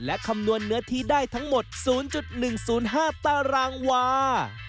และคำนวณเนื้อที่ได้ทั้งหมด๐๑๐๕ตารางวา